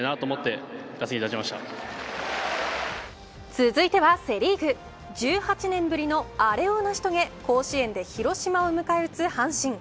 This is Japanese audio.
続いてはセ・リーグ１８年ぶりのアレを成し遂げ甲子園で広島を迎え撃つ阪神。